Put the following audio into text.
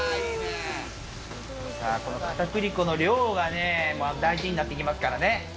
片栗粉の量がね、大事になってきますからね。